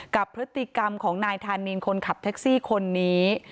กับพฤติกรรมของนายธานินคนขับแท็กซี่คนนี้